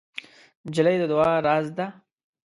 نجلۍ د دعا راز ده.